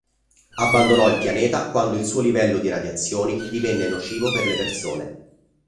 Abbandonò il pianeta quando il suo livello di radiazioni divenne nocivo per le persone.